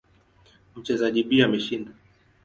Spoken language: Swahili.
Mchezaji B ameshinda.